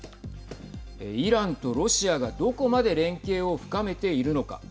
イランとロシアがどこまで連携を深めているのか。